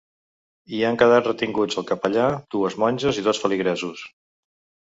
Hi han quedat retinguts el capellà, dues monges i dos feligresos.